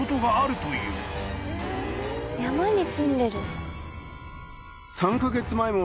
山にすんでる？